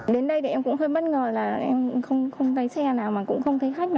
đến đây thì em cũng hơi bất ngờ là em không thấy xe nào mà cũng không thấy khách mà